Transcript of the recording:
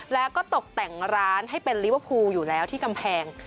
แล้วก็ตกแต่งร้านให้เป็นลิเวอร์พูลอยู่แล้วที่กำแพง